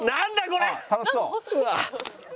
これ。